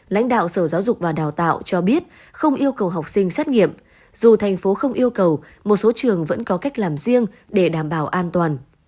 lãnh đạo sở giáo dục và đào tạo cho biết không yêu cầu học sinh xét nghiệm dù thành phố không yêu cầu một số trường vẫn có cách làm riêng để đảm bảo an toàn